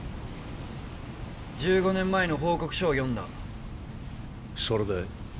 １５年前の報告書を読んだそれで？